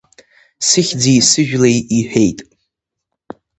Сыхьӡи сыжәлеи иҳәеит.